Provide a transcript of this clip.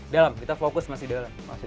dalam kita fokus masih dalam